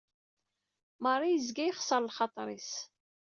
Mari yezga yexṣer lxater-is.